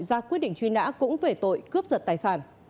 ra quyết định truy nã cũng về tội cướp giật tài sản